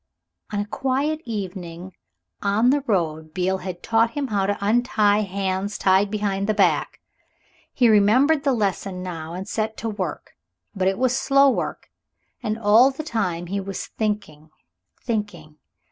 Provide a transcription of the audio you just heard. On a quiet evening on the road Beale had taught him how to untie hands tied behind the back. He remembered the lesson now and set to work but it was slow work. And all the time he was thinking, thinking.